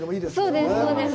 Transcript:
そうです、そうです。